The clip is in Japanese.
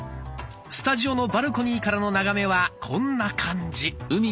スタジオのバルコニーからの眺めはこんな感じ。